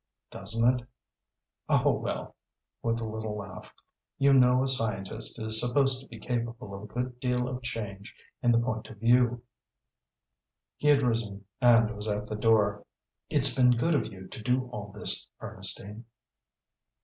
"Doesn't it? Oh, well," with a little laugh "you know a scientist is supposed to be capable of a good deal of change in the point of view." He had risen, and was at the door. "It's been good of you to do all this, Ernestine."